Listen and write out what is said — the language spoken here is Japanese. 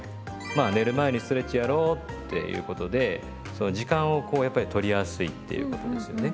まあ寝る前にストレッチやろうっていうことでその時間をこうやっぱり取りやすいっていうことですよね。